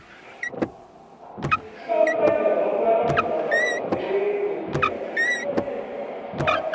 一番深いときは、どのぐらいまで水あった感じですか？